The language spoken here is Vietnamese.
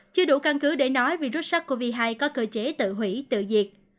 chưa đủ căn cứ để nói virus sars cov hai có cơ chế tự hủy tự diệt